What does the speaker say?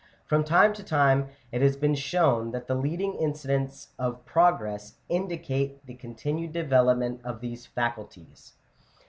From time to time it has been shown that the leading incidents of progress indicate the continued develop ment of these faculties.